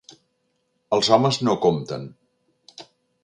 Els homes no compten.